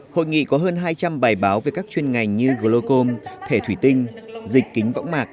hội nghị có hơn hai trăm linh bài báo về các chuyên ngành như glocom thể thủy tinh dịch kính võng mạc